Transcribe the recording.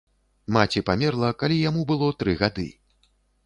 Маці памерла, калі яму было тры гады.